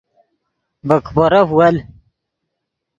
ڤے کیپورف ول